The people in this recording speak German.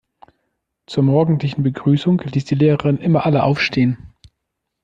Zur morgendlichen Begrüßung ließ die Lehrerin immer alle aufstehen.